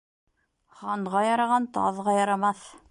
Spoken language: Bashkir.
Ханға яраған таҙға ярамаҫ.